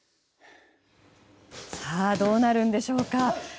さあどうなるんでしょうか。